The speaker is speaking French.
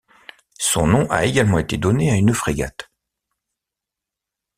Son nom a également été donné à une frégate.